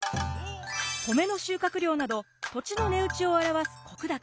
米の収穫量など土地の値打ちを表す石高。